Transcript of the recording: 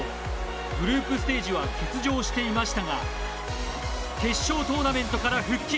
グループステージは欠場していましたが決勝トーナメントから復帰。